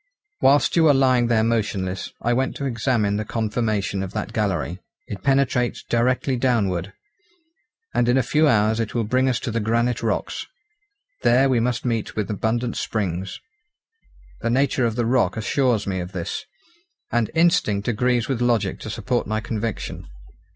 "Whilst you were lying there motionless, I went to examine the conformation of that gallery. It penetrates directly downward, and in a few hours it will bring us to the granite rocks. There we must meet with abundant springs. The nature of the rock assures me of this, and instinct agrees with logic to support my conviction.